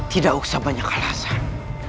tidak usah banyak alasan